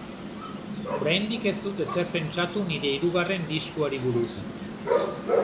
Oraindik ez dut ezer pentsatu nire hirugarren diskoari buruz.